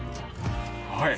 はい！